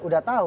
ya udah tau